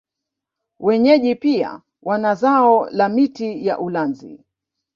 Wenyeji pia wana zao la miti ya ulanzi